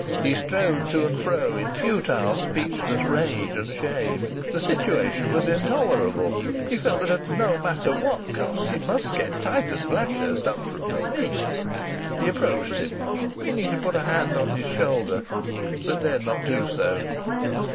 He strode to and fro in futile speechless rage and shame. The situation was intolerable. He felt that at no matter what cost he must get Titus Blackhurst up from his knees. He approached him, meaning to put a hand on his shoulder, but dared not do so.